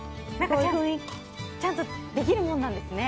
ちゃんとできるものなんですね